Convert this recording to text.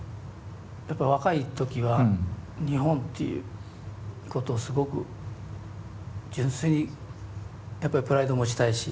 やっぱり若い時は日本ということをすごく純粋にやっぱりプライド持ちたいし。